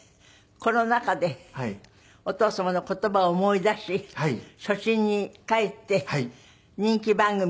コロナ禍でお父様の言葉を思い出し初心に帰って人気番組